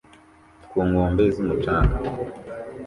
Ku nkombe z'umucanga